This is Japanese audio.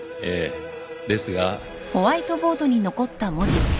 ですが。